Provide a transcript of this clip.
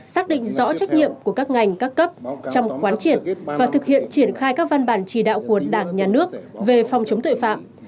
xác định rõ trách nhiệm của các ngành các cấp trong quán triển và thực hiện triển khai các văn bản chỉ đạo của đảng nhà nước về phòng chống tội phạm